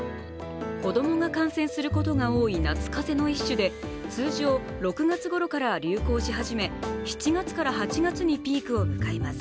子供が感染することが多い夏風邪の一種で、通常、６月ごろから流行し始め、７月から８月にピークを迎えます。